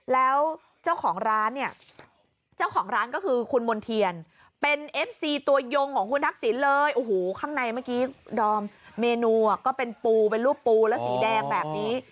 แล้วเจ้าของร้านเนี่ยเจ้าของร้านก็คือคุณมณ์เทียนเป็นเอฟซีตัวยงของคุณทักษิณเลยโอ้โหข้างในเมื่อกี้ดอมเมนูก็เป็นปูเป็นรูปปูแล้วสีแดงแบบนี้